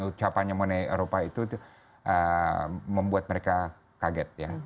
ucapannya mengenai eropa itu membuat mereka kaget ya